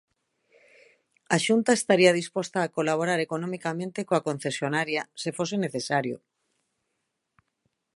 A Xunta estaría disposta a colaborar economicamente coa concesionaria se fose necesario.